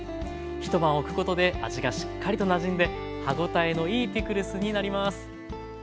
一晩おくことで味がしっかりとなじんで歯応えのいいピクルスになります。